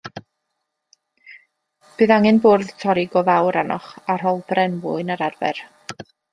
Bydd angen bwrdd torri go fawr arnoch, a rholbren mwy na'r arfer.